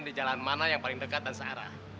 di jalan mana yang paling dekat dan searah